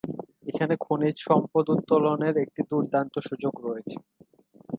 এখানে খনিজ সম্পদ উত্তোলনের একটি দুর্দান্ত সুযোগ রয়েছে।